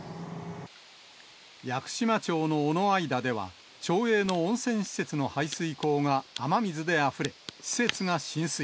屋久島町の尾之間では町営の温泉施設の排水溝が雨水であふれ、施設が浸水。